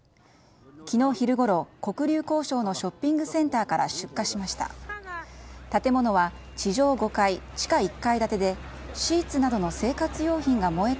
昨日昼ごろ、黒竜江省のショッピングセンターから出火しました。